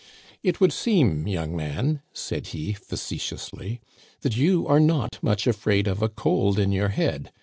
"It would seem, young man," said he facetiously, " that you are not much afraid of a cold in your head.